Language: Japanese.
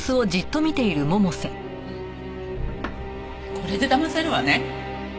これでだませるわね。